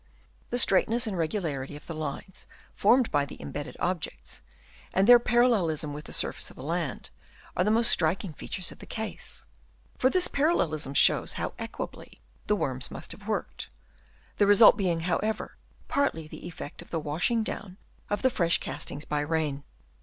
The straightness and regularity of the lines formed by the imbedded objects, and their parallelism with the surface of the land, are the most striking features of the case ; for this parallelism shows how equably the worms must have worked; the result being, however, partly the effect of the wash ing down of the fresh castings by rain.